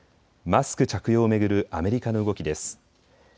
マスク着用を巡るアメリカの動きです。